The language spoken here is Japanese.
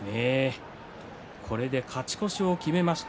これで勝ち越しを決めました